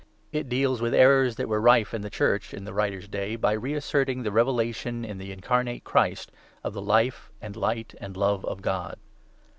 It deals with errors that were rife in the Church in the writer's day, by re asserting the revelation in the incarnate Christ of the Life, and Light, and Love of God.